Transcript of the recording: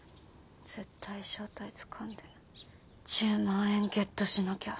絶対正体つかんで１０万円ゲットしなきゃ。